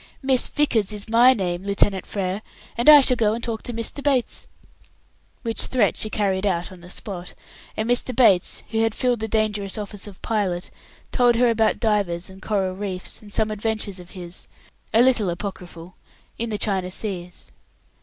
"Miss Vickers is my name, Lieutenant Frere, and I shall go and talk to Mr. Bates." Which threat she carried out on the spot; and Mr. Bates, who had filled the dangerous office of pilot, told her about divers and coral reefs, and some adventures of his a little apocryphal in the China Seas.